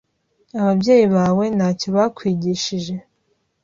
Ababyeyi bawe ntacyo bakwigishije?